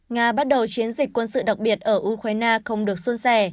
nga bắt đầu chiến dịch quân sự đặc biệt ở ukraine không được xuân xẻ